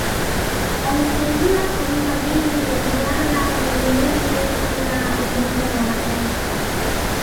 Alisaidia kulipa bili ya ziara ya Nyerere kwenda Umoja wa Mataifa